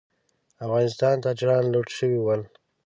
افغانستان تاجران لوټ شوي ول.